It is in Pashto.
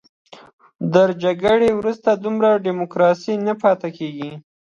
تر جګړې وروسته دومره ډیموکراسي نه پاتې کېږي.